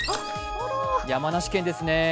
山梨県ですね。